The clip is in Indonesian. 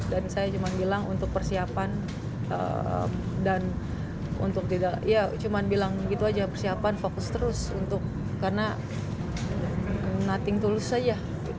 dan saya cuman bilang untuk persiapan dan untuk tidak ya cuman bilang gitu aja persiapan fokus terus untuk karena nothing tulus aja